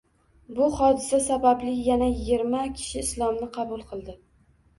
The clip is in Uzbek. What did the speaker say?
Bu hodisa sababli yana yigirma kishi Islomni qabul qildi